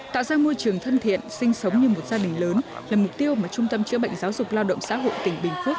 tạo ra môi trường thân thiện sinh sống như một gia đình lớn là mục tiêu mà trung tâm chữa bệnh giáo dục lao động xã hội tỉnh bình phước